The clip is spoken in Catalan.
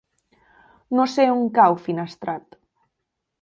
No sé on cau Finestrat.